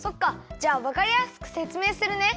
じゃあわかりやすくせつめいするね！